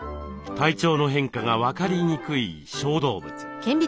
体調の変化が分かりにくい小動物。